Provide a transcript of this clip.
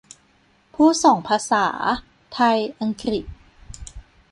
พูดสองภาษา ไทย-อังกฤษ ?